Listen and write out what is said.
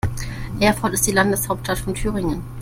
Erfurt ist die Landeshauptstadt von Thüringen.